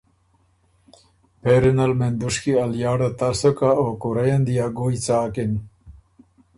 پېری نل مېن دُشکي ا لیاړه تر سُک هۀ او کُورئ ان دی ا ګوی څاکِن۔